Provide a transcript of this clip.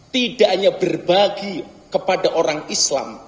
tidak hanya berbagi kepada orang islam